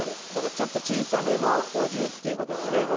だからちょっと小さめのお重っていう事ですよね